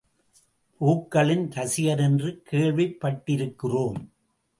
பூக்களிள் ரசிகன் என்று கேள்விப்பட்டிருக்கிறோம்.